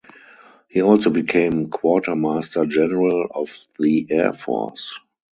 He also became quartermaster general of the air force.